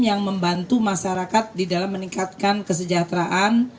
yang membantu masyarakat di dalam meningkatkan kesejahteraan